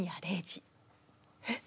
えっ？